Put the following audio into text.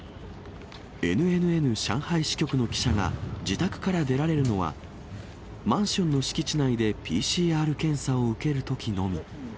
ＮＮＮ上海支局の記者が、自宅から出られるのは、マンションの敷地内でＰＣＲ検査を受けるときのみ。